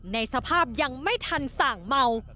ในสภาพยังไม่ทันสั่งเมา